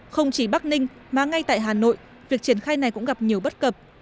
không chỉ bắc ninh mà ngay tại hà nội việc triển khai này cũng gặp nhiều bất cập